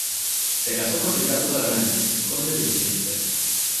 Se casó con Ricardo de Avranches, Conde de Chester.